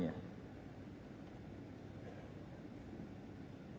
inilah yang harus diantisipasi oleh kita semuanya